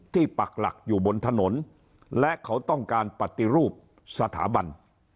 ปักหลักอยู่บนถนนและเขาต้องการปฏิรูปสถาบัน